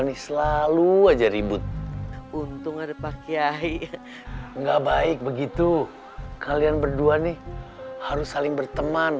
nih selalu aja ribut untung ada pak kiai enggak baik begitu kalian berdua nih harus saling berteman